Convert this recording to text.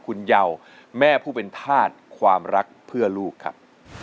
คุณเยาแม่ผู้เป็นธาตุความรักเพื่อลูกครับ